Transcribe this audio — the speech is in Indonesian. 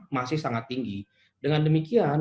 masih sangat tinggi dengan demikian